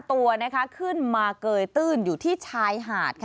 ตัวขึ้นมาเกยตื้นอยู่ที่ชายหาดค่ะ